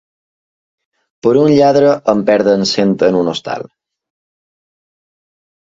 Per un lladre en perden cent en un hostal.